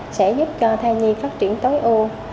sẽ giúp cho thai nhi phát triển tối ưu